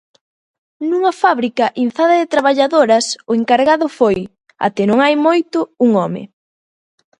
Nunha fábrica inzada de traballadoras, o encargado foi, até non hai moito, un home.